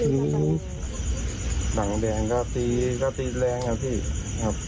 รู้สึกเหมือนกันน่ะภูเขาครับผมรู้สึกผิดครับ